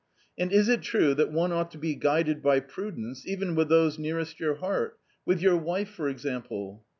" And is it true that one ought to be guided by prudence even with those nearest your heart— with your wife, for example